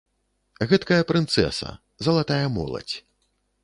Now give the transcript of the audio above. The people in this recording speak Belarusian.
Гэткая прынцэса, залатая моладзь.